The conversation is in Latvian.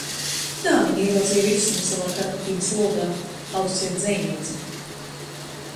Tā viņa ieraudzīja Visumu savā karantīnas logā. Alise ir dzejniece.